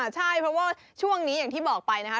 ใช่เพราะว่าช่วงนี้อย่างที่บอกไปนะคะ